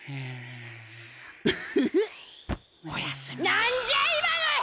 なんじゃい！